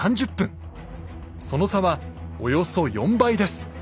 その差はおよそ４倍です。